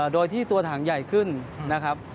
โดยที่ตัวถังใหญ่ขึ้นนะครับ